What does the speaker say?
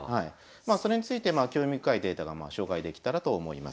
それについて興味深いデータがまあ紹介できたらと思います。